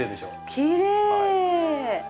きれい！